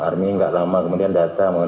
army nggak lama kemudian datang